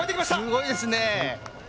すごいですね。